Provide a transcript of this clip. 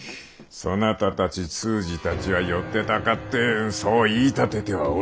そなたたち通詞たちは寄ってたかってそう言い立ててはおるが。